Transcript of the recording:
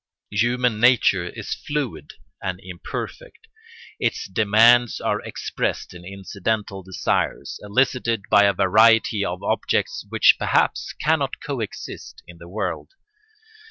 Human nature is fluid and imperfect; its demands are expressed in incidental desires, elicited by a variety of objects which perhaps cannot coexist in the world.